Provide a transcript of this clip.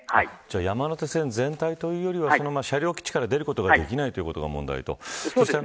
山手線全体というよりは車両基地から出ることができないのが問題ということですか。